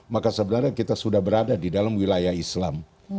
maka sebenarnya kita sudah berada di dalam wilayah islam